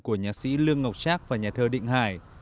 của nhạc sĩ lương ngọc trác và nhà thơ định hải